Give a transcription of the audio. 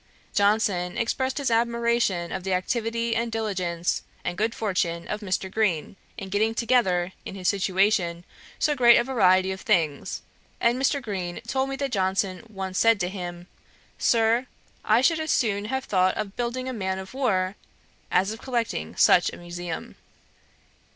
Johnson expressed his admiration of the activity and diligence and good fortune of Mr. Green, in getting together, in his situation, so great a variety of things; and Mr. Green told me that Johnson once said to him, 'Sir, I should as soon have thought of building a man of war, as of collecting such a museum.'